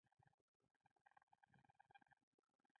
فریدګل له ریل څخه کوز شو او نور کارګران هم کوز شول